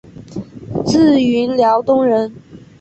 自云辽东人。